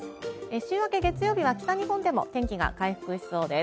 週明け月曜日は北日本でも天気が回復しそうです。